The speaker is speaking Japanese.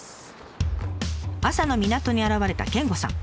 朝の港に現れた健吾さん。